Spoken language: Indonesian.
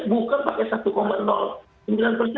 bukan pakai satu